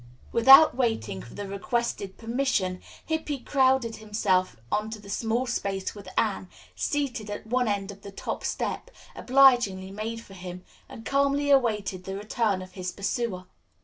Without waiting for the requested permission, Hippy crowded himself onto the small space which Anne, seated at one end of the top step, obligingly made for him, and calmly awaited the return of his pursuer.